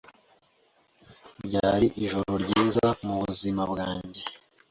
Byari ijoro ryiza mubuzima bwanjye.